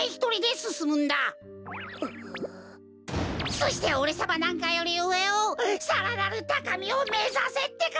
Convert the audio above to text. そしておれさまなんかよりうえをさらなるたかみをめざせってか！